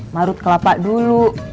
marut kelapa dulu